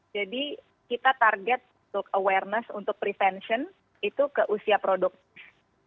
kita target untuk awareness untuk prevention itu ke usia produktif